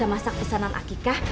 bapak sama ibu